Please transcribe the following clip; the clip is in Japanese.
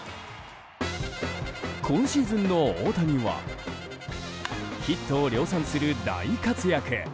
今シーズンの大谷はヒットを量産する大活躍。